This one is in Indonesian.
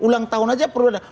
ulang tahun saja perlu dana